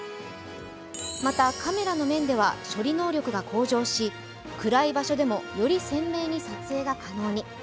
また、カメラの面では処理能力が向上し、暗い場所でもより鮮明に撮影が可能に。